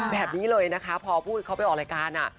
แบบนี้เลยนะคะพอพูดเขาไปออกรายการ